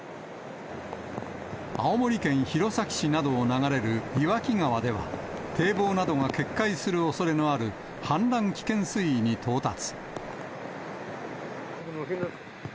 青森県弘前市などを流れる岩木川では、堤防などが決壊するおそれのある氾濫危険水位に到達。